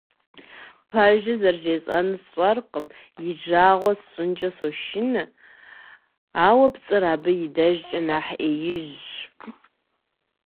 Пэжыр зэрыжесӏэнур сщӀэркъым, и жагъуэ сщӀынкӀэ сошынэ, ауэ пцӀыр абы и дежкӏэ нэхъ Ӏеижщ.